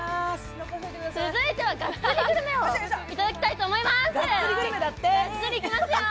続いてはがっつりグルメをいただきたいと思います。